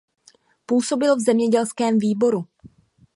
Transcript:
Působil v zemědělském výboru.